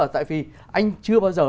tại vì anh chưa bao giờ